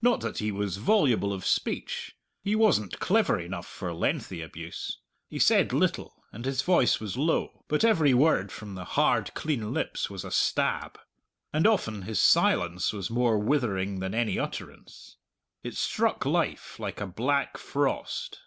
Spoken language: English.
Not that he was voluble of speech; he wasn't clever enough for lengthy abuse. He said little and his voice was low, but every word from the hard, clean lips was a stab. And often his silence was more withering than any utterance. It struck life like a black frost.